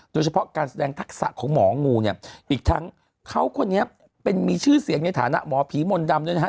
โดยเฉพาะการแสดงทักษะของหมองูเนี่ยอีกทั้งเขาคนนี้เป็นมีชื่อเสียงในฐานะหมอผีมนต์ดำด้วยนะฮะ